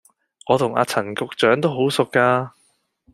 我同阿陳局長都好熟架